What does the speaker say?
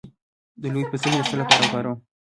د لوبیا پوستکی د څه لپاره وکاروم؟